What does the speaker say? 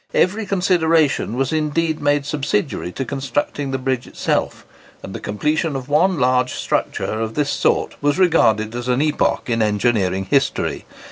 Every consideration was indeed made subsidiary to constructing the bridge itself, and the completion of one large structure of this sort was regarded as an epoch in engineering history.